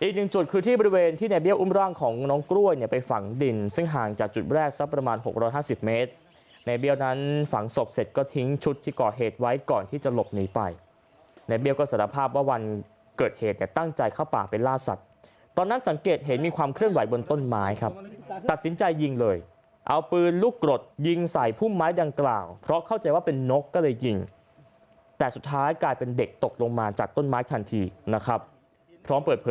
อีกหนึ่งจุดคือที่บริเวณที่ในเบี้ยวอุ้มร่างของน้องกล้วยไปฝังดินซึ่งห่างจากจุดแรกซะประมาณ๖๕๐เมตรในเบี้ยวนั้นฝังศพเสร็จก็ทิ้งชุดที่ก่อเหตุไว้ก่อนที่จะหลบหนีไปในเบี้ยวก็สารภาพว่าวันเกิดเหตุแต้ตั้งใจเข้าปากไปล่าสัตว์ตอนนั้นสังเกตเห็นมีความเคลื่อนไหวบนต้นไม้ครับตัดส